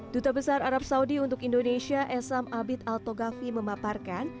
duta besar arab saudi untuk indonesia esam abid al togafi memaparkan